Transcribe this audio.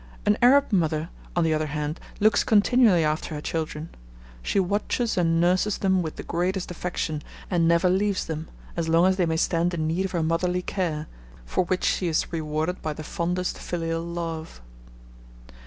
An Arab mother, on the other hand, looks continually after her children. She watches and nurses them with the greatest affection, and never leaves them as long as they may stand in need of her motherly care, for which she is rewarded by the fondest filial love.